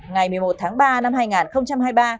ngày một mươi một tháng ba năm hai nghìn hai mươi ba